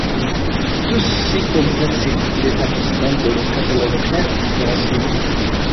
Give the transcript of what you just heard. Tout ceci complexifie l'établissement d'un catalogue clair et compréhensible.